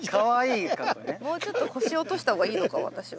もうちょっと腰落とした方がいいのか私は。